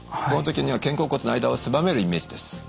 この時には肩甲骨の間を狭めるイメージです。